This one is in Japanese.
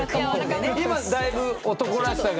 今だいぶ男らしさが。